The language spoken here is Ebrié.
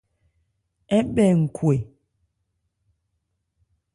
Ɛ bhɛ nkhwɛ.